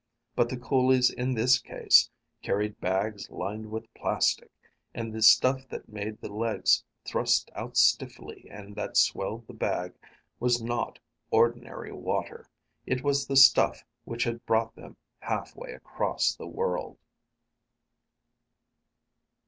But the coolies in this case carried bags lined with plastic, and the stuff that made the legs thrust out stiffly and that swelled the bag was not ordinary water! It was the stuff which had brought them halfway across the world.